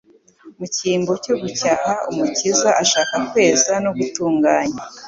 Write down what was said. Mu cyimbo cyo gucyaha, Umukiza ashaka kweza no gutunganya.